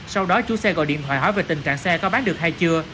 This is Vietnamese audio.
sau đó chủ xe gọi điện thoại hỏi về tình trạng xe có bán được hay chưa